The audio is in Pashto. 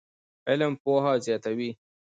علم پوهاوی زیاتوي.